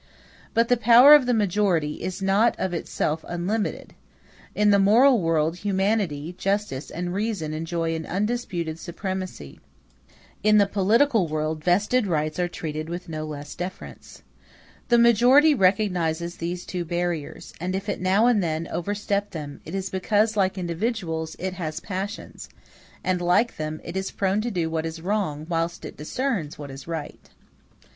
But the power of the majority is not of itself unlimited. In the moral world humanity, justice, and reason enjoy an undisputed supremacy; in the political world vested rights are treated with no less deference. The majority recognizes these two barriers; and if it now and then overstep them, it is because, like individuals, it has passions, and, like them, it is prone to do what is wrong, whilst it discerns what is right.